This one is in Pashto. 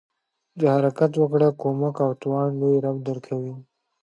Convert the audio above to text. د حرکت وکړه، کومک او توان لوی رب ج درکوي.